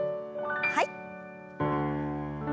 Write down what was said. はい。